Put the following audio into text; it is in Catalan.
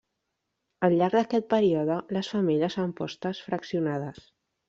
Al llarg d'aquest període, les femelles fan postes fraccionades.